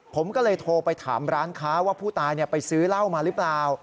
ผมก็เลยโทรไปถามร้านค้าว่าผู้ตายไปซื้อเหล้ามาหรือเปล่า